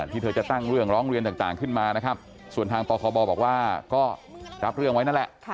ที่เธอจะตั้งเรื่องร้องเรียนต่างขึ้นมานะครับส่วนทางปคบบอกว่าก็รับเรื่องไว้นั่นแหละ